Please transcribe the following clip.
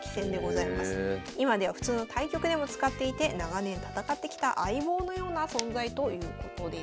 今では普通の対局でも使っていて長年戦ってきた相棒のような存在ということです。